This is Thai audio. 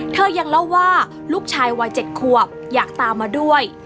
เธอยังเล่าว่าลูกชายวัย๗ขวบอยากตามมาด้วย